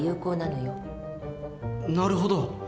なるほど。